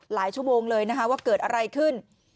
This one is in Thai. หลายชั่วโมงเลยว่าเกิดอะไรขึ้น